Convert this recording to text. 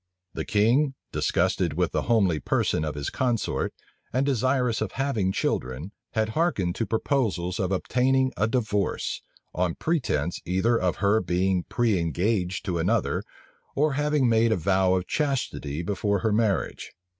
The king, disgusted with the homely person of his consort, and desirous of having children, had hearkened to proposals of obtaining a divorce, on pretence either of her being pre engaged to another, or having made a vow of chastity before her marriage.